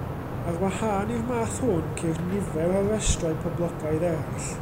Ar wahân i'r math hwn, ceir nifer o restrau poblogaidd eraill.